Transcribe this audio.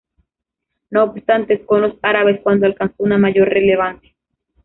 No obstante, es con los árabes cuando alcanzó una mayor relevancia.